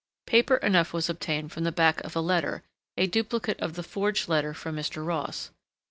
Paper enough was obtained from the back of a letter—a duplicate of the forged letter from Mr. Ross.